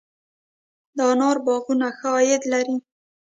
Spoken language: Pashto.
د انارو باغونه ښه عاید لري؟